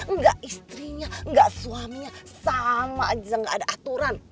nggak istrinya nggak suaminya sama aja nggak ada aturan